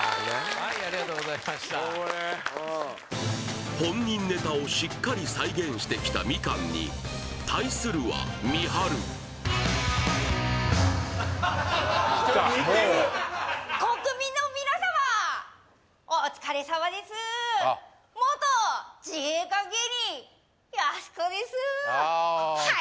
はいありがとうございました本人ネタをしっかり再現してきたみかんに対するは国民の皆様お疲れさまです元自衛官芸人やす子です